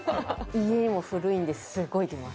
家も古いんですごい出ます。